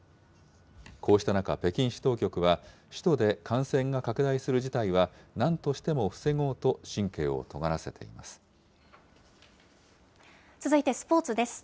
こうした中、北京市当局は、首都で感染が拡大する事態はなんとしても防ごうと神経をとがらせ続いて、スポーツです。